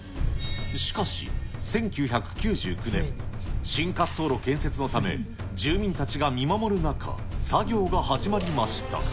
しかし、１９９９年、新滑走路建設のため、住民たちが見守る中、作業が始まりました。